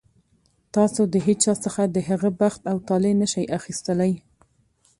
تاسو د هېچا څخه د هغه بخت او طالع نه شئ اخیستلی.